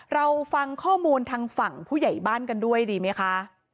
เราฟังข้อมูลทางฝั่งผู้ใหญ่บ้านกันด้วยดีไหมคะ